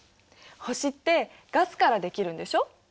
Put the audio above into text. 星ってガスからできるんでしょ。